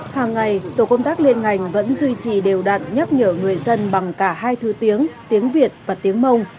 hàng ngày tổ công tác liên ngành vẫn duy trì đều đạt nhắc nhở người dân bằng cả hai thư tiếng tiếng việt và tiếng mông